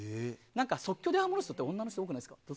即興でハモる人って女の人多くないですか？